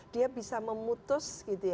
dia bisa memutus